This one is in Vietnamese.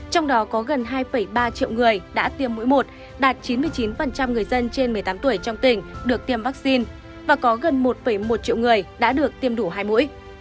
trong đó có gần hai ba triệu người đã tiêm mũi một đạt chín mươi chín người dân trên một mươi tám tuổi trong tỉnh được tiêm vaccine và có gần một một triệu người đã được tiêm đủ hai mũi